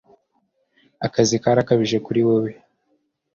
akazi karakabije kuri wewe